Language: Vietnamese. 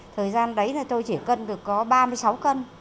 thời gian đấy là tôi chỉ cân được có ba mươi sáu cân